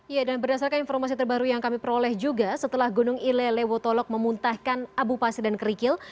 ya dan berdasarkan informasi terbaru yang kami peroleh juga setelah gunung ilelewotolog memuntahkan abu pasir dan kerikil